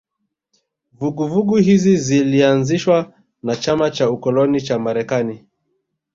Vuguvugu hizi zilianzishwa na chama cha ukoloni cha Marekani